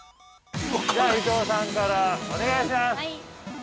◆じゃあ、伊藤さんからお願いします。